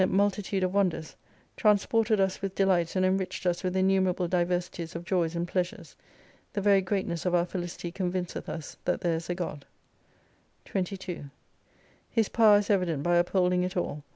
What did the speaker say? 94 multitude of wonders : transported us with delights and enriched us vith innumerable diversities of joys and pleasures. The very greatness of our felicity convinceth us that there is a God. 22 His power is evident by upholding it all.